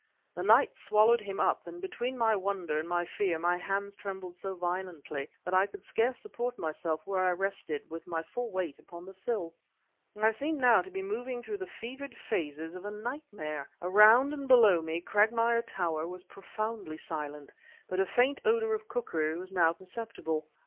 The night swallowed him up, and between my wonder and my fear my hands trembled so violently that I could scarce support myself where I rested, with my full weight upon the sill. I seemed now to be moving through the fevered phases of a nightmare. Around and below me Cragmire Tower was profoundly silent, but a faint odor of cookery was now perceptible.